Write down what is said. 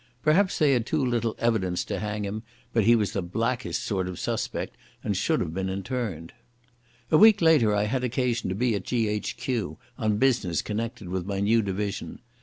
Perhaps they had too little evidence to hang him, but he was the blackest sort of suspect and should have been interned. A week later I had occasion to be at G.H.Q. on business connected with my new division.